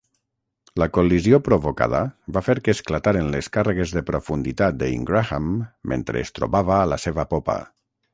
La col·lisió provocada va fer que esclataren les càrregues de profunditat de "Ingraham" mentre es trobava a la seva popa.